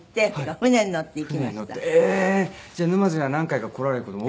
じゃあ沼津には何回か来られる事も。